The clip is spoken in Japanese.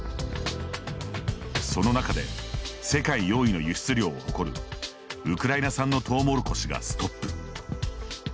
その中で、世界４位の輸出量を誇るウクライナ産のトウモロコシがストップ。